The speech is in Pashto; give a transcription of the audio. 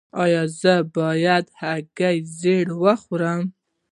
ایا زه باید د هګۍ ژیړ وخورم؟